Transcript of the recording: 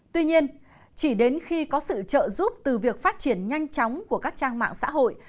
tuy nhiên chỉ đến khi có sự trợ giúp từ việc phát triển nhanh chóng của các trang mạng xã hội